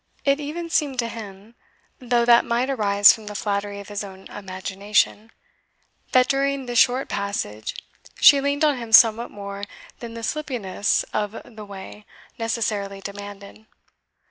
It even seemed to him (though that might arise from the flattery of his own imagination) that during this short passage she leaned on him somewhat more than the slippiness of the way necessarily demanded.